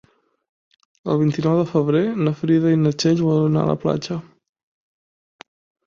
El vint-i-nou de febrer na Frida i na Txell volen anar a la platja.